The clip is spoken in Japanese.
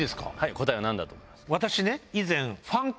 答えは何だと思いますか？